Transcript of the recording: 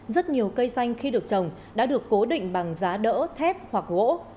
rất nhiều cây xanh khi được trồng đã được cố định bằng giá đỡ thép hoặc gỗ